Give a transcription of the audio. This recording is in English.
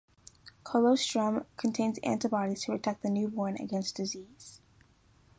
Colostrum contains antibodies to protect the newborn against disease.